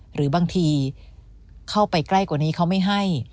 หรือบางทีเข้าไปใกล้กว่านี้เขาไม่ให้